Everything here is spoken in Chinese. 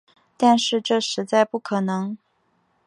但是这实在不可能